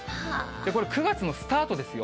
これ、９月のスタートですよ。